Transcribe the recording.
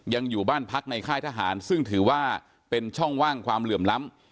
ยังอยู่บ้านพักในค่ายทหารซึ่งถือว่าเป็นช่องว่างความเหลื่อมล้ำ